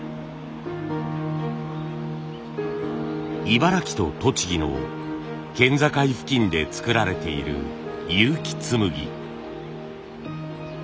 茨城と栃木の県境付近で作られている結城紬。